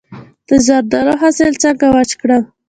د زردالو حاصل څنګه وچ کړم؟